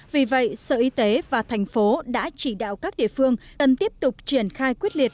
vì vậy sở y tế và thành phố đã chỉ đạo các địa phương cần tiếp tục triển khai quyết liệt